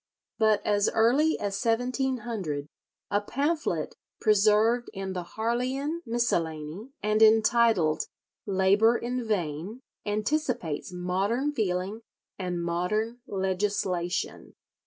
But as early as 1700 a pamphlet preserved in the "Harleian Miscellany," and entitled "Labour in Vain," anticipates modern feeling and modern legislation.